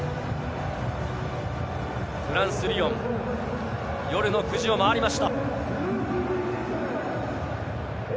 フランス・リヨン、夜の９時を回りました。